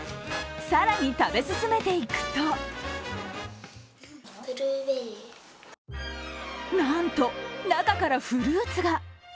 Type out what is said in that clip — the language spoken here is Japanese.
更に食べ進めていくとなんと、中からフルーツが。